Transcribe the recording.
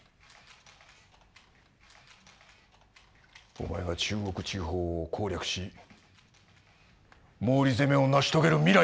お前が中国地方を攻略し毛利攻めを成し遂げる未来がな。